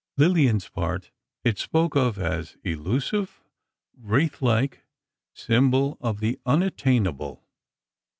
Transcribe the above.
Lillian's part it spoke of as "elusive, wraith like, symbol of the unattainable.